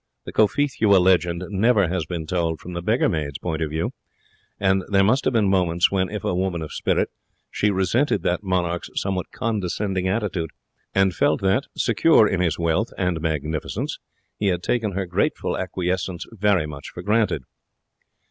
The Cophetua legend never has been told from the beggar maid's point of view, and there must have been moments when, if a woman of spirit, she resented that monarch's somewhat condescending attitude, and felt that, secure in his wealth and magnificence, he had taken her grateful acquiescence very much for granted.